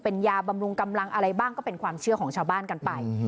เป็นยาบำรุงกำลังอะไรบ้างก็เป็นความเชื่อของชาวบ้านกันไป